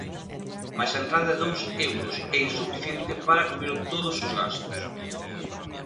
Mais a entrada de dous euros é insuficiente para cubrir todos os gastos.